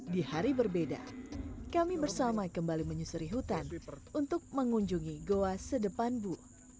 di hari berbeda kami bersama kembali menyusuri hutan untuk mengunjungi goa sedepan bu